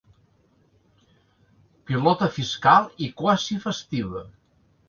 Pilota fiscal i quasi festiva.